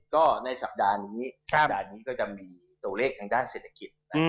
ก็ในสัปดาห์นี้ตัวเลขทางด้านเศรษฐกิจ